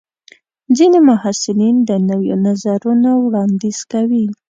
ځینې محصلین د نویو نظرونو وړاندیز کوي.